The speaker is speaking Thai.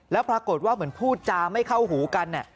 แล้วปรากฏว่าเหมือนพูดจาไม่เข้าหูกัน